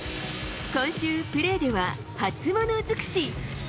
今週、プレーでは初物づくし。